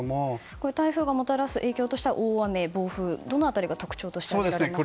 台風がもたらす影響としては大雨、暴風どの辺りが特徴として挙げられますか。